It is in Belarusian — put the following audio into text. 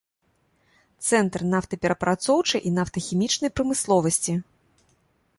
Цэнтр нафтаперапрацоўчай і нафтахімічнай прамысловасці.